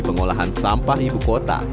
pengolahan sampah ibu kota